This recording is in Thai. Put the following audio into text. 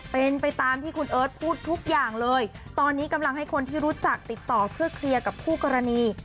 เป็นไปตามที่คุณเอิร์ทพูดทุกอย่างเลยตอนนี้กำลังให้คนที่รู้จักติดต่อเพื่อเคลียร์กับคู่กรณี